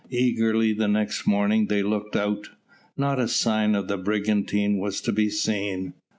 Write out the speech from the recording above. Eagerly the next morning they looked out not a sign of the brigantine was to be seen.